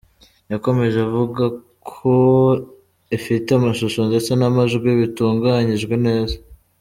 Yakomeje avuga ko ifite amashusho ndetse n’amajwi bitunganyijwe neza.